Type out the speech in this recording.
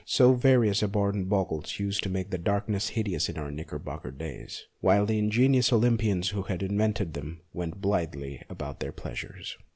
So various abhorrent bogles used to make the darkness hideous in our knickerbocker days, while the inge nious Olympians who had invented them went blithely about their pleasures.